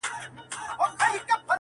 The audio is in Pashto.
• قاسم یار له زر پرستو بېل په دې سو..